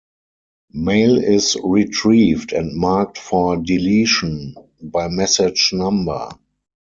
Mail is retrieved and marked for deletion by message-number.